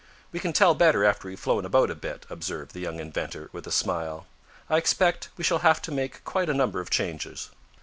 "We can tell better after we've flown about a bit," observed the young inventor, with a smile. "I expect we shall have to make quite a number of changes."